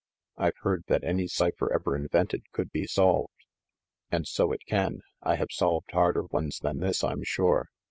I've heard that any cipher ever invented could be solved." "And so it can. I have solved harder ones than this, I'm sure.